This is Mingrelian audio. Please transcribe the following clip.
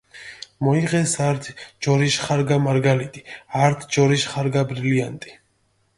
მოიღეს ართი ჯორიშ ხარგა მარგალიტი, ართი ჯორიშ ხარგა ბრილიანტი.